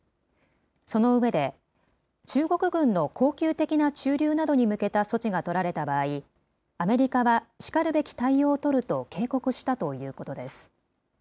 その上で、中国軍の恒久的な駐留などに向けた措置が取られた場合、アメリカはしかるべき対応を取ると警告したということです。